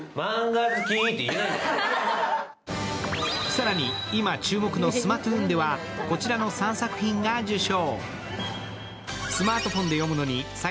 更に今、注目のスマトゥーンではこちらの３作品が受賞。